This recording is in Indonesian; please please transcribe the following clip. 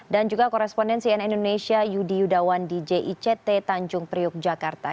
dan juga koresponden cnn indonesia yudi yudawan dji ct tanjung priuk jakarta